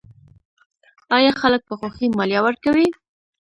آیا خلک په خوښۍ مالیه ورکوي؟